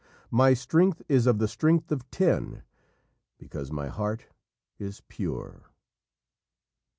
"My strength is of the strength of ten, Because my heart is pure."